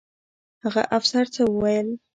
هغه افسر څه وویل؟